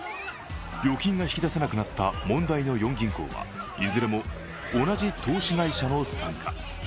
預金が引き出せなくなった問題の４銀行はいずれも同じ投資会社の傘下。